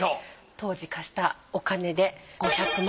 当時貸したお金で５００万。